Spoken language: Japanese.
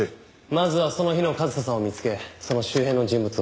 まずはその日の和沙さんを見つけその周辺の人物をチェックする。